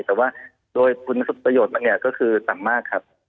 แต่ว่าโดยคุณสุขประโยชน์มันก็คือสำมารถครับ